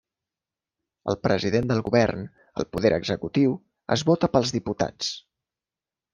El President del Govern, el poder executiu, es vota pels diputats.